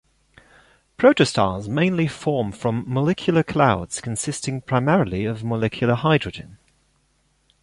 Protostars mainly form from molecular clouds consisting primarily of molecular hydrogen.